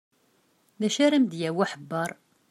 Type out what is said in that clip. D acu ara m-d-yawi uḥebber?